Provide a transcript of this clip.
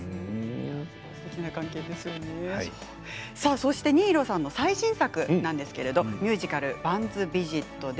そして新納さんの最新作ミュージカル「バンズ・ヴィジット」。